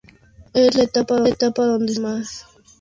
Es la etapa donde se crece más.